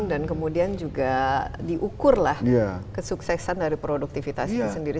dan kemudian juga diukurlah kesuksesan dari produktivitasnya sendiri